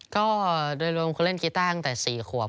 ก็โดยรวมคุณเล่นกีต้าตั้งแต่๔ขวบ